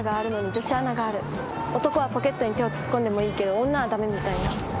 男はポケットに手を突っ込んでもいいけど女は駄目みたいな。